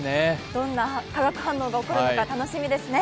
どんな化学反応が起こるのか楽しみですね。